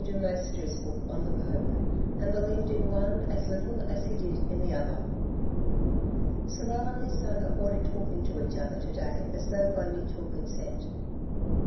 de Maistre's book on The Pope, and believed in one as little as he did in the other. Sorel and his son avoided talking to each other to day as though by mutual consent.